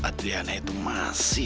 adriana itu masih